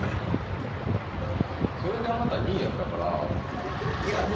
それであなた２位やったからさっきも。